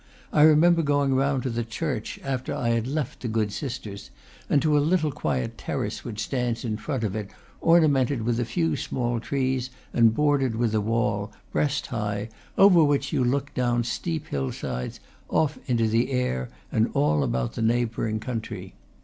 I remember going round to the church, after I had left the good sisters, and to a little quiet terrace, which stands in front of it, ornamented with a few small trees and bordered with a wall, breast high, over which you look down steep hillsides, off into the air and all about the neighbouring country.